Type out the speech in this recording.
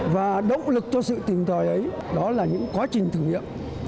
và động lực cho sự tìm tòi ấy đó là những quá trình thử nghiệm